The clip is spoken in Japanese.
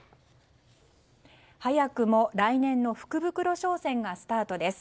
早くも来年の福袋商戦がスタートです。